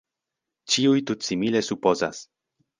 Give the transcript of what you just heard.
Ĉiuj tutsimple supozas.